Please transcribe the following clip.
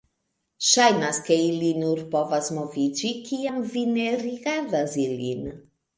Ŝajnas ke ili... nur povas moviĝi, kiam vi ne rigardas ilin.